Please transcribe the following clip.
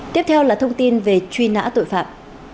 tiếp theo là thông tin về truy nã tội phạm